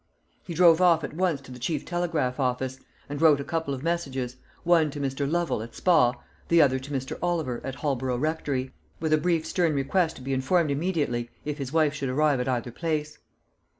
He drove off at once to the chief telegraph office, and wrote a couple of messages, one to Mr. Lovel, at Spa the other to Mr. Oliver, at Holborough Rectory; with a brief stern request to be informed immediately if his wife should arrive at either place.